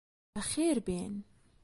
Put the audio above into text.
بەخێربێن.